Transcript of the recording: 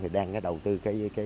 thì đang đầu tư các hệ thống là udb